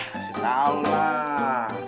kasih tau lah